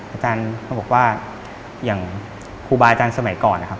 อาจารย์เขาบอกว่าอย่างครูบาอาจารย์สมัยก่อนนะครับ